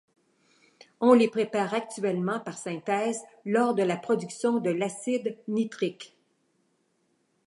On les prépare actuellement par synthèse lors de la production de l’acide nitrique.